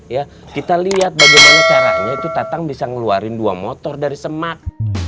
ya kita lihat bagaimana caranya itu tatang bisa ngeluarin dua motor dari semak